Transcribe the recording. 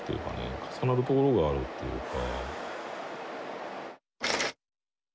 重なるところがあるっていうか。